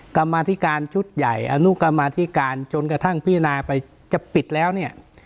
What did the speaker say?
กรรมาธิการชุดใหญ่อนุกรรมาธิการจนกระทั่งพิจารณาไปจะปิดแล้วเนี่ย